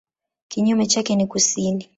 Kinyume chake ni kusini.